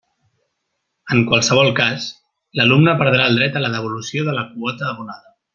En qualsevol cas l'alumne perdrà el dret a la devolució de la quota abonada.